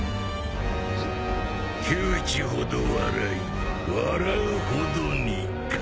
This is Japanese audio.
窮地ほど笑い笑うほどにか。